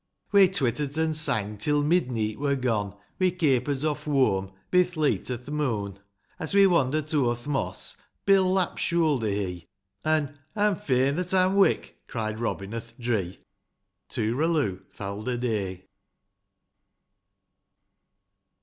We twittert an' sang Till midneet wur gone; We caper't off whoam, Bi th' leet o' the moon ; As we wander't o'er th' moss, Bil lap shoolder hee ; An', " I'm fain that I'm wick !" Cried Robin o'th Dree. Tooral loo ; falder day